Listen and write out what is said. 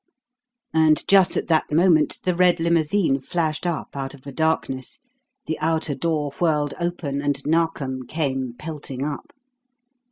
And just at that moment the red limousine flashed up out of the darkness, the outer door whirled open and Narkom came pelting up.